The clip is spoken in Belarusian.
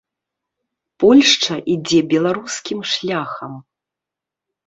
Польшча ідзе беларускім шляхам.